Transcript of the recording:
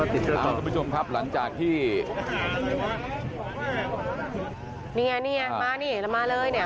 พี่นั้นเป็นผู้จริงจริงนะ